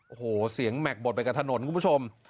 โอ้โหเสียงแม็กบดไปกับถนนคุณผู้ชม